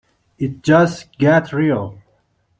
It just got real.